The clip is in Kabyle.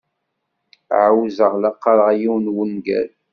Ɛawzeɣ la qqareɣ yiwen n wungal.